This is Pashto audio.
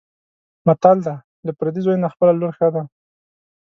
متل دی: له پردي زوی نه خپله لور ښه ده.